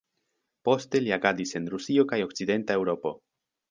Poste li agadis en Rusio kaj okcidenta Eŭropo.